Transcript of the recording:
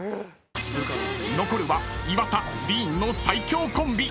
［残るは岩田ディーンの最強コンビ］